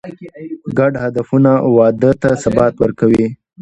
ګډ هدفونه واده ته ثبات ورکوي.